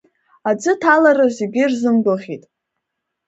Аӡы аҭалара зегьы ирзымгәаӷьит.